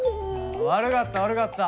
悪かった悪かった。